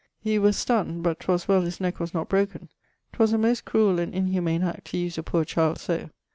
He was stunn'd, but 'twas well his neck was not broken. 'Twas a most cruel and inhumane act to use a poore child so.